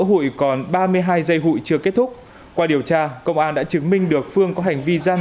hụi còn ba mươi hai dây hụi chưa kết thúc qua điều tra công an đã chứng minh được phương có hành vi gian